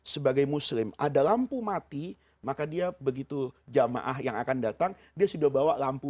sebagai muslim ada lampu mati maka dia begitu jamaah yang akan datang dia sudah bawa lampu